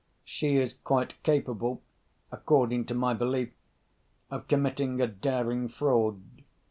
She is quite capable (according to my belief) of committing a daring fraud.